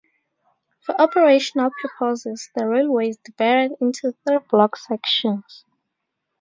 For operational purposes the railway is divided into three block sections.